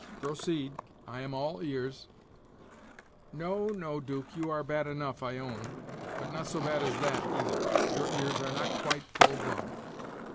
"Proceed I am all ears." "No, no, 'Duke, you are bad enough, I own, but not so bad as that, either; your ears are not quite full grown."